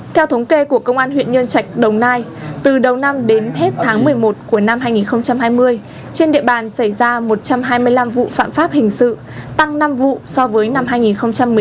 theo thống kê của công an huyện nhân trạch đồng nai từ đầu năm đến hết tháng một mươi một của năm hai nghìn hai mươi trên địa bàn xảy ra một trăm hai mươi năm vụ phạm pháp hình sự tăng năm vụ so với năm hai nghìn một mươi tám